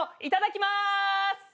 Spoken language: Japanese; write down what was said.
いただきます！